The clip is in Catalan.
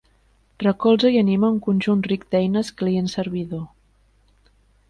Recolza i anima un conjunt ric d'eines client-servidor.